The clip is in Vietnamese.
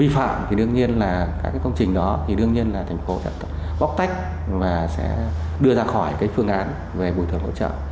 thì đương nhiên là các công trình đó thì đương nhiên là bóc tách và sẽ đưa ra khỏi phương án về bùi thuần hỗ trợ